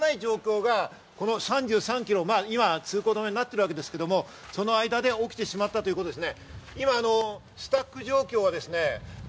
ですからどうしようもない状況がこの３３キロ、今通行止めになっているわけですけど、その間で起きてしまったということですね。